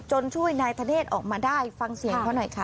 ช่วยนายธเนธออกมาได้ฟังเสียงเขาหน่อยค่ะ